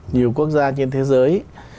nhiều quốc gia trên thế giới